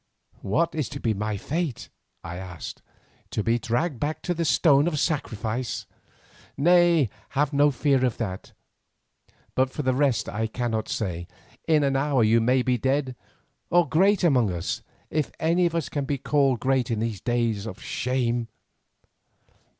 "What is to be my fate?" I asked. "To be dragged back to the stone of sacrifice?" "Nay, have no fear of that. But for the rest I cannot say. In an hour you may be dead or great among us, if any of us can be called great in these days of shame.